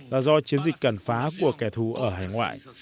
là do chiến dịch cản phá của kẻ thù ở hành ngoại